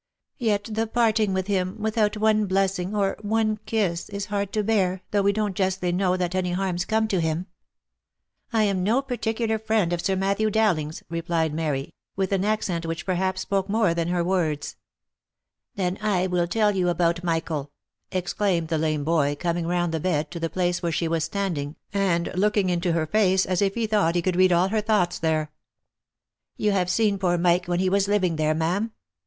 Yet the parting with him with out one blessing, or one kiss, is hard to bear, though we don't justly know that any harm's to come to him." " I am no particular friend of Sir Matthew Dowling's," replied Mary, with an accent which perhaps spoke more than her words. "Then / will tell you about Michael!" exclaimed the lame boy, coming round the bed to the place where she was standing, and look ing into her face as if he thought he could read all her thoughts there. " You have seen poor Mike when he was living there, ma'am?"